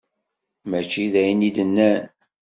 Mačči d ayen i d-nnan.